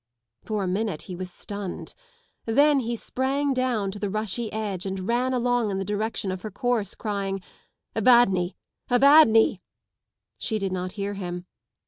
For a minute he was stunned. Then he sprang down to the rushy edge and ran along in the direction of her course, crying ŌĆö " Evadne! Evadnel " She did not hear him.